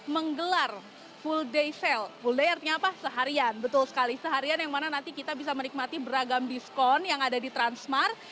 menggelar full day sale full day artinya apa seharian betul sekali seharian yang mana nanti kita bisa menikmati beragam diskon yang ada di transmart